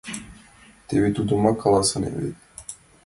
— Теве тудымак каласынем вет.